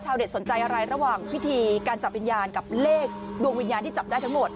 สนใจอะไรระหว่างพิธีการจับวิญญาณกับเลขดวงวิญญาณที่จับได้ทั้งหมด